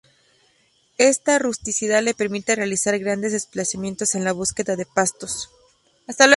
Esta rusticidad le permite realizar grandes desplazamientos en la búsqueda de pastos.